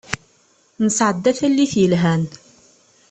Nesεedda tallit yelhan.